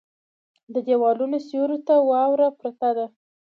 د ديوالونو سيورو ته واوره پرته وه.